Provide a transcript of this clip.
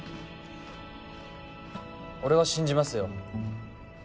俺は信じますよ